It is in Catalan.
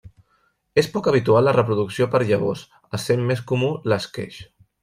És poc habitual la reproducció per llavors essent més comú l'esqueix.